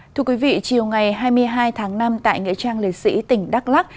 thưa quý vị chiều ngày hai mươi hai tháng năm tại nghệ trang liệt sĩ tỉnh đắk lắc